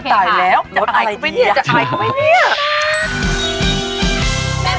ตายแล้วตายแล้ว